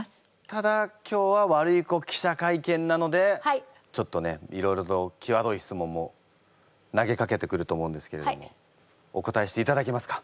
ただ今日はワルイコ記者会見なのでちょっとねいろいろときわどい質問も投げかけてくると思うんですけれどもお答えしていただけますか？